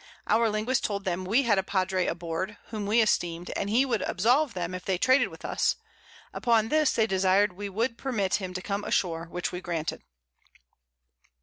Our Linguist told them we had a Padre aboard, whom we esteemed, and he would absolve them, if they traded with us: Upon this, they desired we would permit him to come a shoar, which we granted.